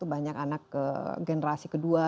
banyak anak generasi kedua